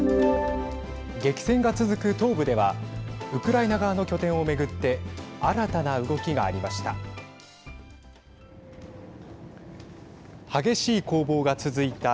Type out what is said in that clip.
激戦が続く東部ではウクライナ側の拠点を巡って新たな動きがありました。